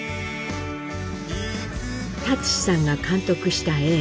立嗣さんが監督した映画。